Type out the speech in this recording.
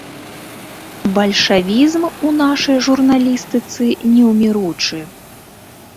Бальшавізм у нашай журналістыцы неўміручы.